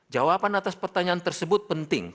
jawaban atas pertanyaan tersebut penting